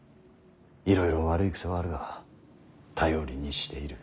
いろいろ悪い癖はあるが頼りにしている。